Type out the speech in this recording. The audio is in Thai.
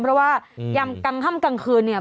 เพราะว่ายำกลางค่ำกลางคืนเนี่ย